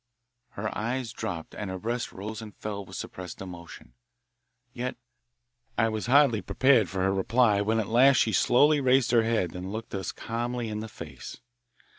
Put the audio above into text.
Her eyes dropped and her breast rose and fell with suppressed emotion. Yet I was hardly prepared for her reply when at last she slowly raised her head and looked us calmly in the face.